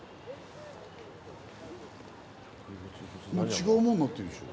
違うもんになってるでしょ。